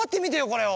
これを。